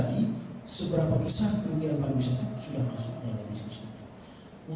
jadi diskusi tadi seberapa besar kemungkinan para wisatawan sudah masuk dalam diskusi itu